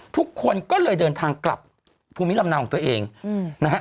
ทุกคนก็เลยเดินทางกลับภูมิลำเนาของตัวเองนะฮะ